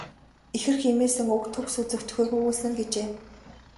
Ихэр хэмээсэн үг төгс үзэгдэхүйг өгүүлсэн нь." гэжээ.